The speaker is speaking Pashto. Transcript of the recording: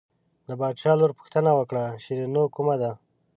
د باچا لور پوښتنه وکړه شیرینو کومه ده.